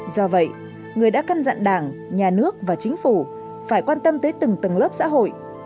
do vậy người đã căn dặn đảng nhà nước và chính phủ phải quan tâm tới từng tầng lớp xã hội